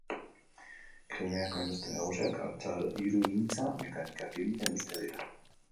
Krimeako industria nagusiak altzairugintza, mekanika, kimika industria dira.